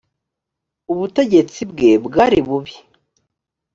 ubutegetsi bwe bwari bubi.